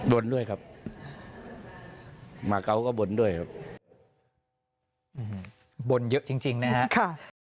บนด้วยครับมาเกาะก็บนด้วยครับบนเยอะจริงจริงนะฮะค่ะ